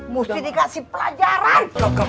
musti dikasih pelajaran